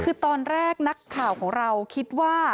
คือตอนแรกนักข่าวของเราคิดว่า